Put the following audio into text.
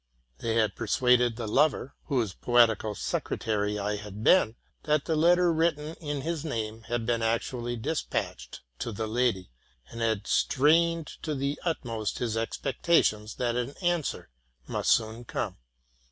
They had persuaded the lover, whose poetical secretary I had been, that the letter written in his name had been actually de spatched to the lady, and had strained to the utmost his expectations that.an answer must come soon.